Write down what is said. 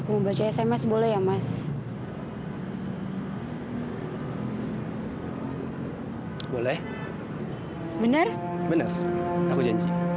enggak kok aku cuma sebentar ya